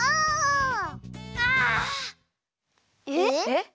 えっ？